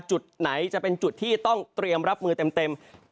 จุดไหนจะเป็นจุดที่ต้องเตรียมรับมือเต็ม